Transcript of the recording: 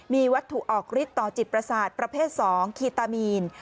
มีวัตถุออกฤทธิต่อจิตประสาทประเภท๒คีตามีน